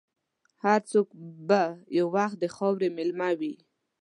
هر څوک به یو وخت د خاورې مېلمه وي.